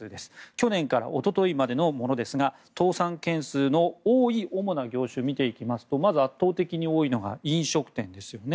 去年からおとといまでのものですが倒産件数の多い主な業種を見ていきますとまず圧倒的に多いのが飲食店ですよね。